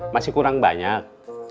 masih kurang banyak